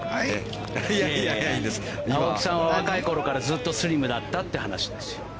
青木さんは若いころからずっとスリムだったって話です。